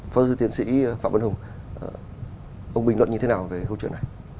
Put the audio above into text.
phó giới thiên sĩ phạm văn hùng ông bình luận như thế nào về câu chuyện này